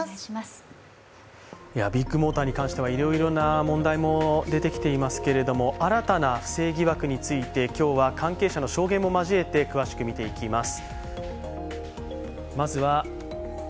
ビッグモーターに関してはいろいろな問題も出てきていますけれども新たな不正疑惑について、今日は関係者の証言も含めて詳しく見ていきます。